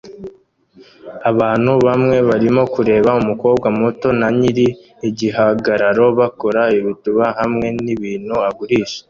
Abantu bamwe barimo kureba umukobwa muto na nyiri igihagararo bakora ibituba hamwe nibintu agurisha